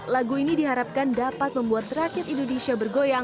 lagu ini diharapkan dapat membuat rakyat indonesia bergoyang